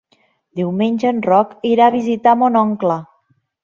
Diumenge en Roc irà a visitar mon oncle.